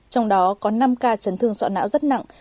trong đó có năm ca chấn thương sọ não rất nặng